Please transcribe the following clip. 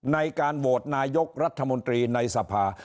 ในการโหวตนายกรัฐมนตรีในสภา